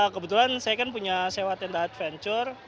kebetulan saya kan punya sewa tenda adventure